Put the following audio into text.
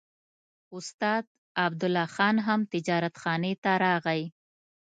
استاد عبدالله خان هم تجارتخانې ته راغی.